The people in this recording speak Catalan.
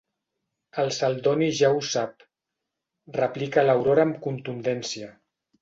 El Celdoni ja ho sap —replica l'Aurora amb contundència.